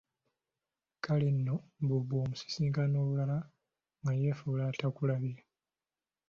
Kale nno mbu bw'omusisinkana olulala nga yefuula atakulabye.